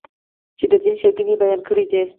چې د دین ښېګڼې یې بیان کړې دي.